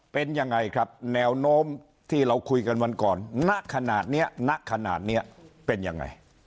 เป็นยังไงครับแนวโน้มที่เราคุยกันวันก่อนณขนาดนี้ณขนาดนี้เป็นยังไง